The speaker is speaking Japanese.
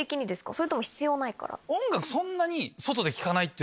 それとも必要ないから？